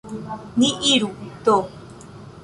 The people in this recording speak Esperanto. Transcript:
Ni iru, do.